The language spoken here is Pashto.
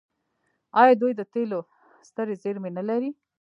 آیا دوی د تیلو سترې زیرمې نلري؟